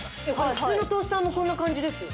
普通のトースターもこんな感じですよ。